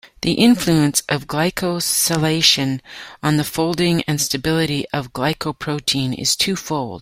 The influence of glycosylation on the folding and stability of glycoprotein is twofold.